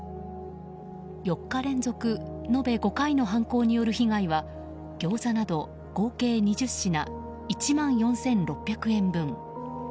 ４日連続延べ５回による犯行の被害はギョーザなど合計２０品１万４６００円分。